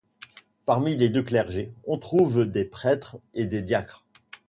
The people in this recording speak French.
Parmi les deux clergés, on trouve des prêtres et des diacres.